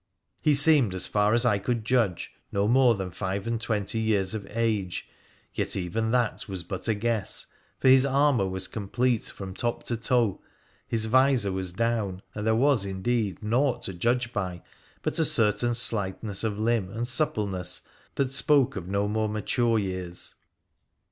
He seemed, as far as I could judge, no more than five and twenty years of age, yet even that was but a guess, for his armour was complete from top to toe, his visor was down, and there was, indeed, naught to judge by but a certain slightness of limb and suppleness that spoke of no more mature years.